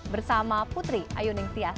bersama putri ayu ningtyas